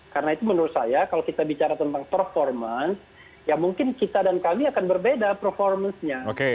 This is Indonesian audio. karena itu menurut saya kalau kita bicara tentang performance ya mungkin kita dan kami akan berbeda performance nya